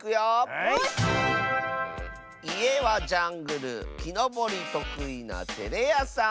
「いえはジャングルきのぼりとくいなてれやさん」。